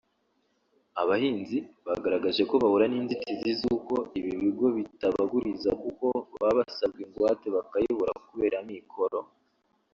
Abahinzi bagaragaje ko bahura n’inzitizi z’uko ibi bigo bitabaguriza kuko baba basabwa ingwate bakayibura kubera amikoro